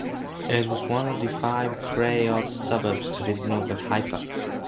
It is one of the five Krayot suburbs to the north of Haifa.